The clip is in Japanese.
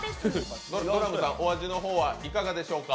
ドラムさん、お味の方はいかかでしょうか？